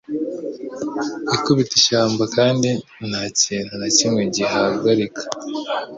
ikubita ishyamba kandi nta kintu na kimwe gihagarika